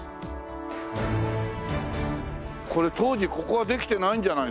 これ当時ここはできてないんじゃない？